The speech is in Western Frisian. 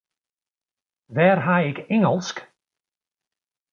Wêr ha ik Ingelsk?